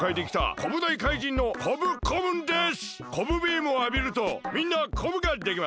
コブビームをあびるとみんなコブができます。